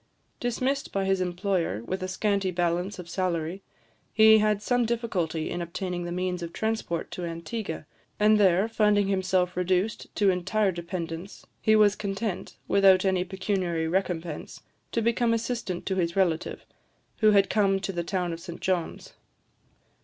Dismissed by his employer, with a scanty balance of salary, he had some difficulty in obtaining the means of transport to Antigua; and there, finding himself reduced to entire dependence, he was content, without any pecuniary recompense, to become assistant to his relative, who had come to the town of St John's.